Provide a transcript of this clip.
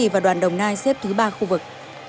và đoàn đồng nai xếp thứ ba khu vực